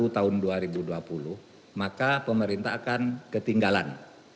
tahun dua ribu dua puluh maka pemerintah akan ketinggalan